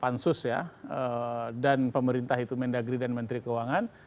karena itu sudah dipercaya oleh pemerintah negeri dan menteri keuangan